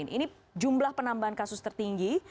ini jumlah penambahan kasus tertinggi